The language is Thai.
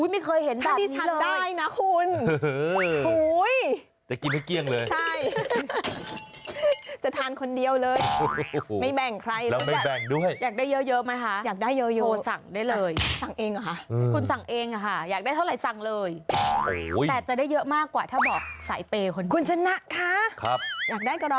ไม่เคยเห็นแบบนี้เลยถ้าดิฉันได้นะคุณโห้ย